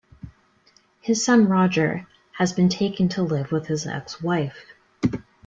His son Roger has been taken to live with his ex-wife.